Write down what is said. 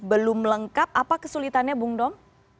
belum lengkap apa kesulitannya bung dom